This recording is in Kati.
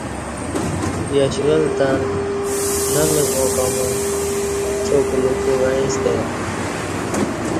یش ول تݩ نہ لوس واں پمو ڄاکولہ کو وعیݩ ستہ ا ی